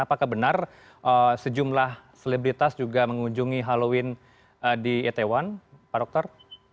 apakah benar sejumlah selebritas juga mengunjungi halloween di itaewon pak dokter